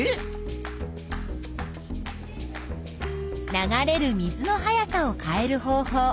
流れる水の速さを変える方法